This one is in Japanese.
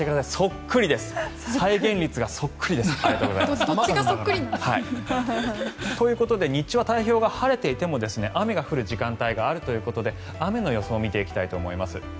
どっちがそっくりなの。ということで日中は太平洋側晴れていても雨が降る時間帯があるということで雨の予想を見ていきたいと思います。